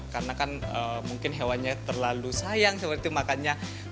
karena kan mungkin hewannya terlalu sayang seperti itu makanya